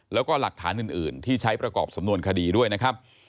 แล้วก็หลักฐานอื่นที่ใช้ประกอบสำนวนคดีด้วยนะครับ